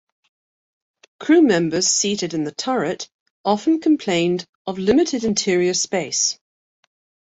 Crew members seated in the turret often complained of limited interior space.